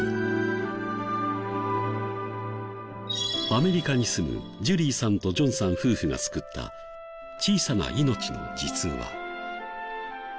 アメリカに住むジュリーさんとジョンさん夫婦が救った小さな命の実話。